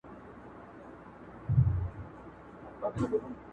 چوپتيا کله کله له هر غږ څخه درنه وي ډېر,